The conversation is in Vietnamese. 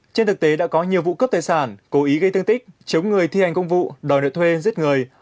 trên thực tế đã có nhiều vụ cướp tài sản cố ý gây thương tích chống người thi hành công vụ đòi nợ thuê giết người